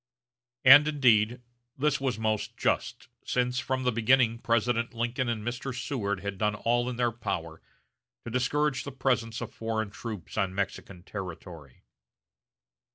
And, indeed, this was most just, since from the beginning President Lincoln and Mr. Seward had done all in their power to discourage the presence of foreign troops on Mexican territory.